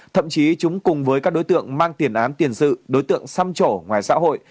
thậm chí chúng cùng với các đối tượng mang tiền án tiền sự đối tượng xăm trổ ngoài xã hội